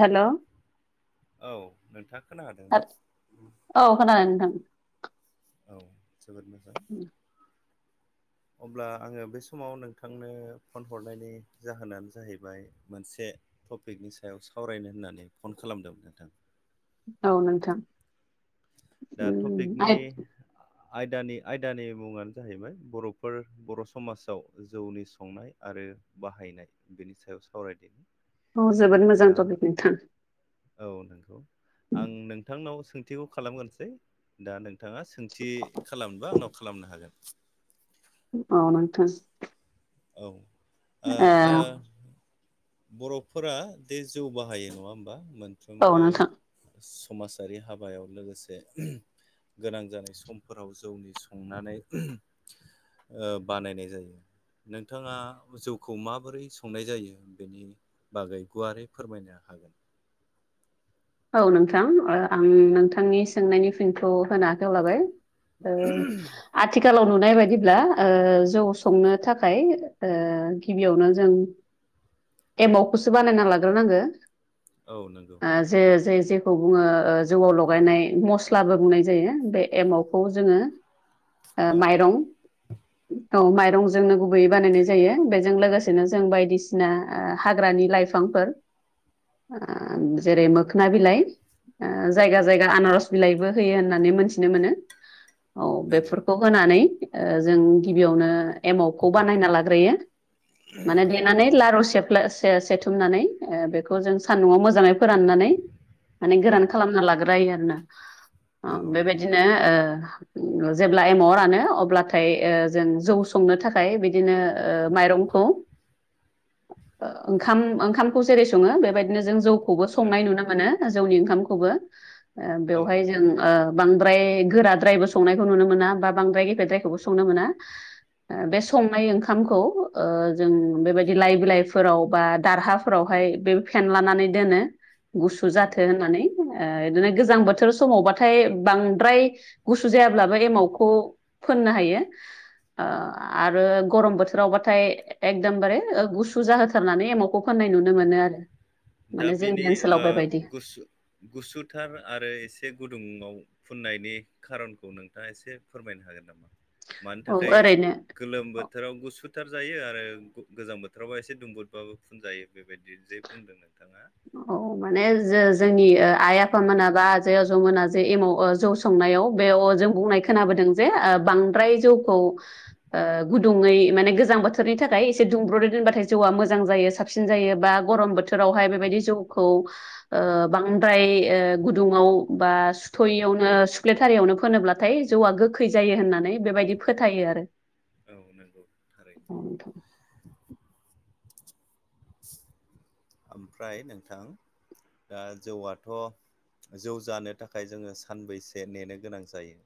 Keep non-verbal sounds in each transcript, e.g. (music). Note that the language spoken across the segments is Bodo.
हेल'। औ नोंथाङा खोनाहादों ना। औ खोनादों औ जोबोद मोजां। अब्ला आङो बे समाव नोंथांनो फन हरनायनि जाहोनानो जाहैबाय मोनसे। टपिकनि सायाव सावरायनो होननानै फन खालामदोंमोन नोंथां। औ नोंथां। दा टपिकनि। आं आयदानि आयदानि मुङानो जाहैबाय बर'फोर बर' समाजाव जौनि संनाय आरो। ओ बाहायनाय बेनि सायाव सावरायनो। औ जोबोद मोजां टपिक नोंथां। औ नोंगौ आं नोंथांनाव सोंथिखौ खालामगोन। दा नोंथाङा सोंथि खालामनोबा आंनाव खालामनो हागोन। औ नोंथां। औ ओ आ। ओ बर'फोरा दे जौ बाहायो नङा होमबा औ मोनफ्रोमबो। नोंथां समाजारि हाबायाव लोगोसे। गोनां जानाय समफोराव जौनि संनानै ओ बानायनाय जायो नोंथाङा जौखौ माबोरै संनाय जायो। बेनि बागै गुवारै फोरमायनो हागोन। औ नोंथां ओ आं नोंथांनि सोंनायनि फिनखौ होनो आखायाव लाबाय। ओ आथि। खालाव नुनाय बायदिब्ला ओ जौ संनो थाखाय ओ गिबियावनो जों एमावखौसो बानायना लाग्रो नांगो औ नंगौ। जे जेखौ बुङो जौआव लगायनाय मस्लाबो बुंनाय जायो बे एमावखौ जोङो ओ औ माइरं औ माइरंजोंनो गुबैयै बानायनाय जायो बेजों लोगोसेनो जों बायदिसिना ओ हाग्रानि लाइफां फोर ओ‌ जेरै मो खोना बिलाइ ओ जायगा जायगा आनारस बिलाइबो होयो होननानै मोनथिनो मोनो औ नंगौ बेफोरखौ होनानै ओ- जों गिबियावनो एमावखौ बानायना लाग्रोयो। माने देनानै नंगौ लारु सेफ्ला से सेथुमनानै ओ-बेखौ जों सान्दुंआव मोजाङै फोरानना माने औ गोरान खालामना लाग्रायो आरोना ओमफ्राय नंगौ नंगौ बेबायदिनो ओ- उम जेब्ला एमावा रानो अब्लाथाय ओ-जों जौ संनो थाखाय बिदिनो ओ-माइरंखौ (inaudible) ओंखाम ओंखामखौ जेरै सङो बेबायदिनो जों जौखौबो नंगौ संनाय नुनो। मोनो जौनि ओंखामखौबो ओ- औ बेवहाय जों नंगौ ओ- बांद्राय गोराद्रायबो संनायखौ नुनो मोना बा बांद्राय गेफेद्रायखौबो संनो मोना। ओ- औ बे संनाय ओंखाम। खौ ओ-जों बेबायदि लाइ बिलाइफोराव बा दारहाफोरावहाय बे फेनलानानै दोन गुसु जाथो नंगौ होननानै। ओ-बिदिनो गोजां बोथोर समावबाथाय बांद्राय गुसु जायाब्लाबो एमावखौ। फोननो हायो। ओ-आरो गरम बोथोराव बाथाय एकदमबारे गुसु जाहोथारनानै एमाव। खौ फाननाय नुनो मोनो आरो माने जोंनि ओनसोल। ओ-गुसु गुसुथार आरो एसे गुदुङाव फुननायनि खारनखौ नोंथाङा एसे फोरमायनो हागोन नामा? मानि औ थाखाय ओरैनो गोलोम बोथोराव गुसु- जायो आरो गोजां बोथोरावबा एसे दुंबुदबाबो फुनजायो बेबायदि जै बुंदों नोंथाङा। औ माने जो- जोंनि ओ-आइ आफामोना बा आजै आजौ मोना जे एमाव ओ-जौ सं नायाव जों बुंनाय खोनाबोदों जे ओ-बांद्राय जौखौ ओ-गुदुङै- माने गोजां बोथोरनि थाखाय एसे दुंब्रुै दोनबाथाय जौआ मोजां जायो साबसिन जायो बा गरम बोथोरावहाय। बेबायदि जौखौ ओ-बांद्राय ओ-गुदुङाव ओ- बा औ सुथयियावनो सिख्लेथारियावनो, फोनोब्लाथाय जौआ गोखै जायो होननानै बेबायदि फोथायो आरो। औ नंगौ थारैनो औ नोंथां। आमफ्राय नोंथां दा जौआथ' जौ जानो थाखाय जोङो सानबैसे नेनो गोनां जायो?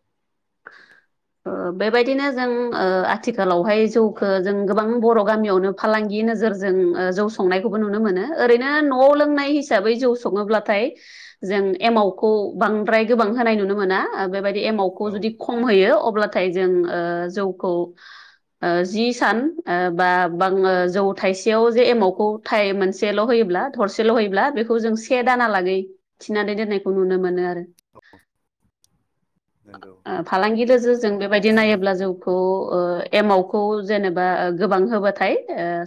बेबायदिनो जों ओ-आथिखालावहाय जौखौ जों गोबां बर-गामियावनो फालांगि नोजोरजों ओ-जौ संनायखौबो नुनो मोनो ओरैनो नआव लोंनाय हिसाबै जौ सङोब्लाथाय। जों एमावखौ बांद्राय गोबां होनाय नुनो मोना बेबायदि एमावखौ औ जुदि- खम होयो अब्लाथाय जों ओ-जौखौ। ओ-जि सान ओ-बा ब जौ थाइसेयाव जे एमावखौ मोनसेल' होयो- ब्ला थरसेल' हैैयोब्ला बेखौ जों से दानालागै थिनानै दोननायखौ नुनो मोनो आरो। (unintelligible) ओ-फालांगि जों बेबायदि नायोब्ला जोंखौ। एमावखौ जेनेबा गोबां होबाथाय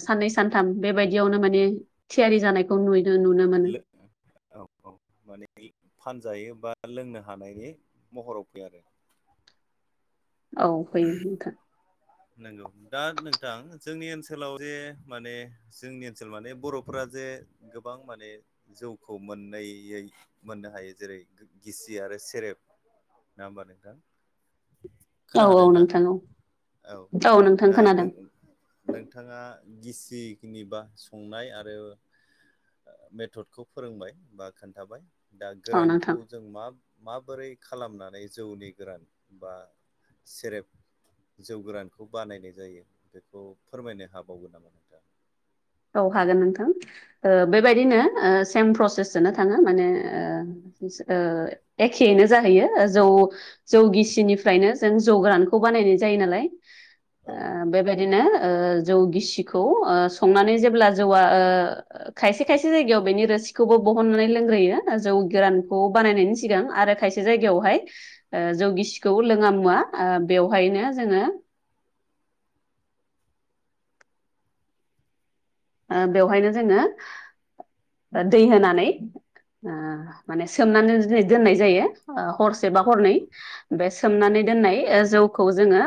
साननै सानथाम बेबायदियावनो माने- थियारि जानायायखौ नु- औ औ माने फानजायो बा- लोंनो हानायनि महराव फैयो आरो। औ फैयो नंगौ दा नोंथां। जोंनि ओनसोलाव जे माने जोंनि ओनसोलाव माने बर'फ्रा जे गोबां माने जौखौ मोनैयै मोननो हायो जेरै गिसि आरो सेरेब। नङा होनबा नोंथां? खोनाखादोंना नोंथां औ दा नों नोंथाङा- गिसि खिनिबा संनाय आरो। मेथदखौ फोरोंबाय बा खोन्थाबाय। दा औ गोरानखौ नोंथां जों मा माबोरै खालामनानै जौनि गोरान बा- सेरफ जौ गोरानखौ बानायनाय जायो बेखौ फोरमायनो हाबावगोन नामा नोंथां? औ हागोन नोंथां। बेबायदिनो सेम प्रसेससो थाङो माने एखेैनो जाहैयो जौ जौ गिसिनिफ्रायनो जों जौ गोरानखौ बानायनाय जायो‌। नालाय औ ओ बेबादिनो जौ गिसिखौ ओ संनानै जेब्ला जौआ ओ खायसे खायसे जायगायाव बेनि रोसिखौबो बहननानै लोंग्रोयो। जौ गोरानखौ बानायनायनि सिगां आरो खायसे जायगायावहाय जौगिसिखौ लोङा मुवा बेवहायनो जोङो (unintelligible) बेवहायनो जोङो दा दै होनानै आ माने सोमनानै दोननाय जायो। हरसे औ बा हरनै नंगौ बे नंगौ सोमनानै दोननाय जौखौ जोङो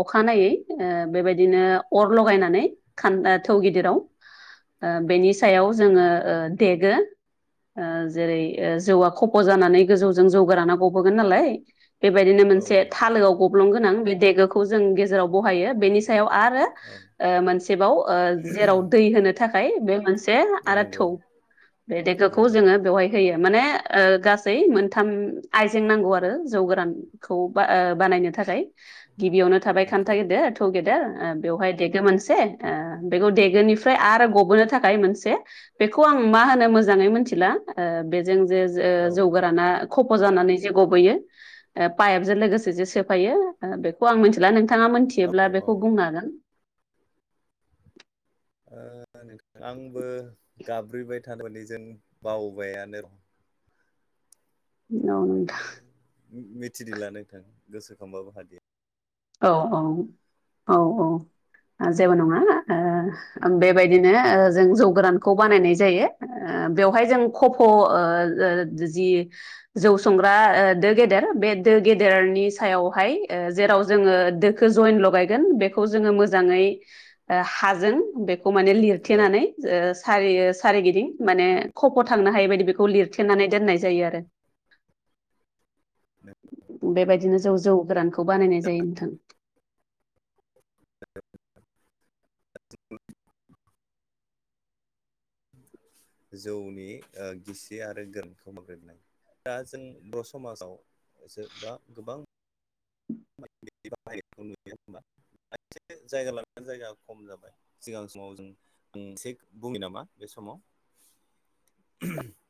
अखानायनायै बेबायदिनो अर लगायनानै खान्दा थौ गिदिराव बेनि सायाव जोङो देगो जेरै जौआ खफ जानानै गोजौजों जौ गोराना गबोगोन नालाय बेबायदिनो औ मोनसे थालोआव गब्लं गोनां बे देगोखौ जों गेजेराव बाहायो। बेनि सायाव आरो औ मोनसेबाव जेराव दै होनो थाखाय बे मोनसे से आरो नंगौ थौ बे दैखोखौ नंगौ जोङो बेवहाय होयो। माने ओ- गासै मोनथाम आइजें नांगौ आरो जौ गोरानखौ ओ- बानायनो थाखाय गिबियावनो थाबाय नंगौ खान्था गेदेर टु गेदेर बेवहाय ओ- देगो मोनसे ओ- बेखौ देगोनिफ्राय आरो गबोनो थाखाय मोनसे बेखौ आं मा होनो मोजाङै मिथिला ओ- बे जों जे ओ- औ जौ गोराना खफ' जानानै जे गबयो ओ- पाइपजों लोगोसे जे सेफायो ओ- बेखौ आं मिथिला नोंथाङा औ मोनथियोब्ला ओ बेखौ बुंनागोन। ओ- न आंबो गाब्रैबाय थार माने जों बावबायानो र' औ बेखौ नोंथां मिथिदिला नोंथां गोसोखांबाबो हादि औ- औ औ- औ जेबो नङा ओ- बेबायदिनो ओ- जों जौ गोरानखौ बानायनाय जायो ओ- ओ- बेवहाय जों खफ' ओ- ओ- जि जौ संग्रा ओ- दो गेदेर बे दो गेदेरनि सायावहाय ओ- जेराव जोङो दोखौ जयेन लगायगोनबेखौ जोङो मोजाङै ओ- हाजों बेखै माने औ लिरथेनानै ओ- सारि सारिगिदिं माने खप' थांनो हायि बायदि बेखौ लिरथेनानै दोननाय जायो। जै आरो (inaudible) बेबायदिनो जौ- जौ गोरानखौ बानायनाय जायो नोंथां। जौनि ओ- गिसि आरो गोरोनखौ माबोरै बानायो? दा जों बर' (inaudible) समाजाव ज बा गोबां नुया होनबा (unintelligible) एसे (inaudible) जायगा लानानै जायगा खम जाबाय सिगां समाव जों आं एसे बुङो नामा बे समाव